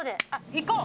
行こう！